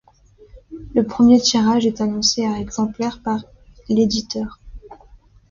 Le premier tirage est annoncé à exemplaires par l'éditeur.